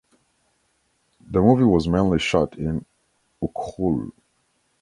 The movie was mainly shot in Ukhrul.